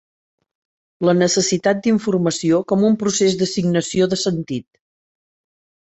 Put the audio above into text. La necessitat d’informació com un procés d’assignació de sentit.